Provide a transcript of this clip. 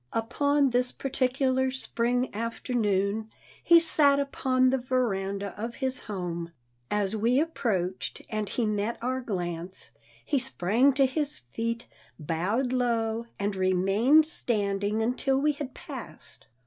Upon this particular spring afternoon, he sat upon the veranda of his home. As we approached, and he met our glance, he sprang to his feet, bowed low and remained standing until we had passed.